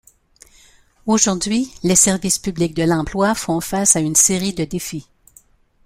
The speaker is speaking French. Aujourd’hui, les services publics de l’emploi font face à une série de défis.